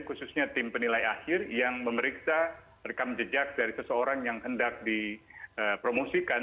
khususnya tim penilai akhir yang memeriksa rekam jejak dari seseorang yang hendak dipromosikan